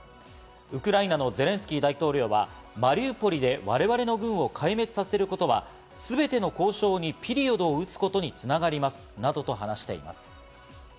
ウクライナのゼレンスキー大統領はマリウポリで我々の軍を壊滅させることは、すべての交渉にピリオドを打つことに繋がりますなどと話しています。